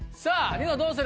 ニノどうする？